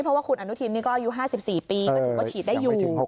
เพราะว่าคุณอนุทินนี่ก็อายุ๕๔ปีก็ถือว่าฉีดได้อยู่